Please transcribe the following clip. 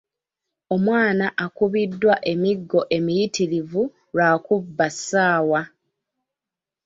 Omwana akubiddwa emiggo emiyitirivu lwa kubba ssaawa.